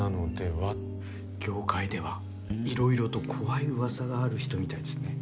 業界ではいろいろと怖いうわさがある人みたいですね。